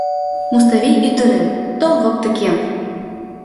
Муставий ӱдырем, тол воктекем!..